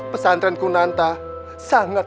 pesantren kunanta sangat